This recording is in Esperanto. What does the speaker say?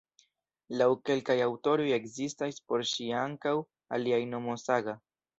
Laŭ kelkaj aŭtoroj ekzistas por ŝi ankaŭ alia nomo "Saga".